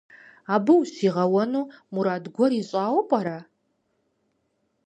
Абы ущигъэуэну мурад гуэр имыщӀауэ пӀэрэ?